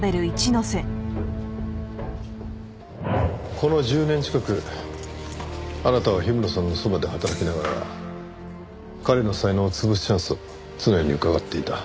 この１０年近くあなたは氷室さんのそばで働きながら彼の才能を潰すチャンスを常にうかがっていた。